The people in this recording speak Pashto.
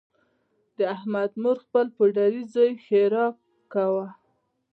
د احمد مور خپل پوډري زوی ښیرأ کاوه.